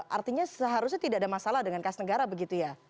artinya seharusnya tidak ada masalah dengan kas negara begitu ya